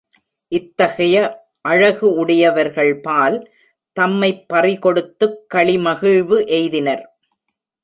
இத்தகைய அழகு உடையவர்கள்பால் தம்மைப் பறிகொடுத்துக் களி மகிழ்வு எய்தினர்.